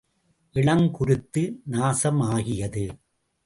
இளங்குருத்து நாசம் ஆகியது.